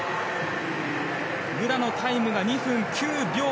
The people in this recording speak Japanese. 武良のタイムが２分９秒６９。